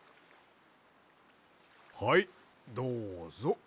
はいどうぞ。